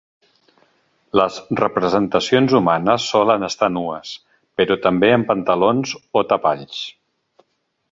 Les representacions humanes solen estar nues, però també amb pantalons o tapalls.